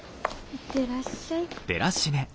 行ってらっしゃい。